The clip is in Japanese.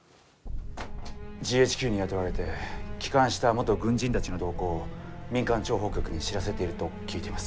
ＧＨＱに雇われて帰還した元軍人たちの動向を民間諜報局に知らせていると聞いています。